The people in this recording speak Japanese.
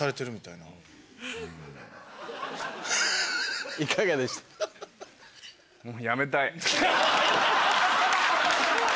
いかがでした？